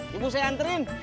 ibu saya anterin